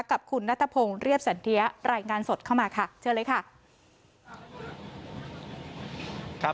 กับคุณนัทพงศ์เรียบสันเทียรายงานสดเข้ามาค่ะเชิญเลยค่ะ